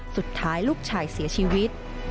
สุดท้ายลูกชายเสียชีวิต